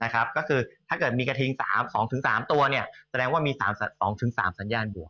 ก็คือถ้าเกิดมีกระทิง๓๒๓ตัวแสดงว่ามี๒๓สัญญาณบวก